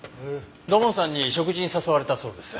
土門さんに食事に誘われたそうです。